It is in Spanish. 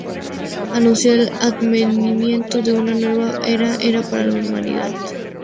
Anunciar el advenimiento de una nueva era para la humanidad.